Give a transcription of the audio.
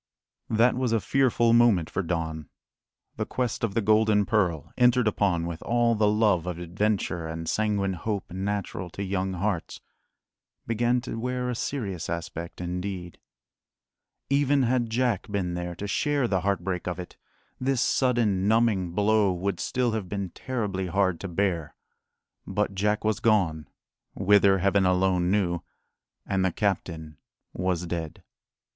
That was a fearful moment for Don. The quest of the golden pearl, entered upon with all the love of adventure and sanguine hope natural to young hearts, began to wear a serious aspect indeed. Even had Jack been there to share the heartbreak of it, this sudden, numbing blow would still have been terribly hard to bear. But Jack was gone whither, Heaven alone knew and the captain was dead.